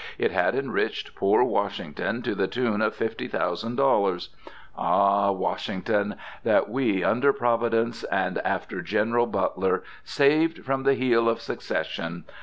It had enriched poor Washington to the tune of fifty thousand dollars. Ah, Washington! that we, under Providence and after General Butler, saved from the heel of Secession!